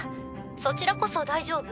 そちらこそ大丈夫？